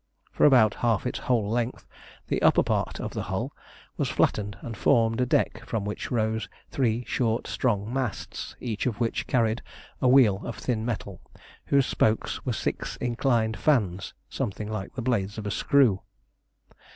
For about half its whole length the upper part of the hull was flattened and formed a deck from which rose three short strong masts, each of which carried a wheel of thin metal whose spokes were six inclined fans something like the blades of a screw.